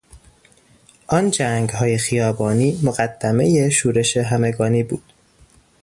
آن جنگهای خیابانی مقدمهی شورش همگانی بود.